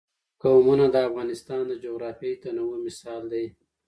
قومونه د افغانستان د جغرافیوي تنوع مثال دی.